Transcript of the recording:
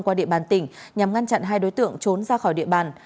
qua địa bàn tỉnh nhằm ngăn chặn hai đối tượng trốn ra khỏi địa bàn